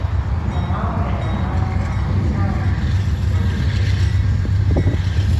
za mambo yanayofanywa na marekani mmiliki wa wiki leaks